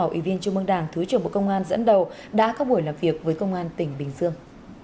ủy viên trung mương đảng thứ trưởng bộ công an dẫn đầu đã có buổi làm việc với công an tỉnh bình dương